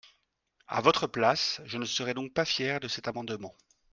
À votre place, je ne serai donc pas fier de cet amendement.